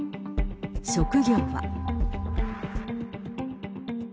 職業は。